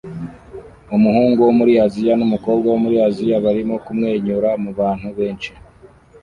umuhungu wo muri Aziya numukobwa wo muri Aziya barimo kumwenyura mubantu benshi